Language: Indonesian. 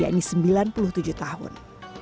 yakni sembilan puluh tujuh tahun